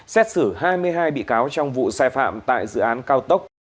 xét xử hai mươi hai bị cáo trong vụ sai phạm tại dự án cao tốc